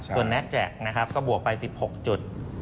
ส่วนแน็กแจกนะครับก็บวกไป๑๖จุด